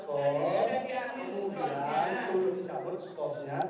harus dikembalikan ke posisi